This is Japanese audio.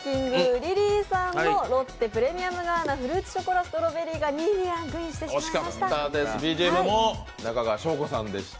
リリーさんのロッテプレミアムガーナフルーツショコラストロベリーが２位にランクインしてしまいました惜しかったです、ＢＧＭも中川翔子さんでした。